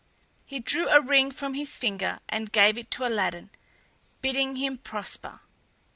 He drew a ring from his finger and gave it to Aladdin, bidding him prosper.